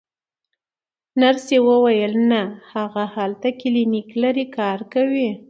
نرسې وویل: نه، هغه هلته کلینیک لري، کار کوي.